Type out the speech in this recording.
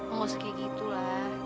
enggak usah kayak gitu lah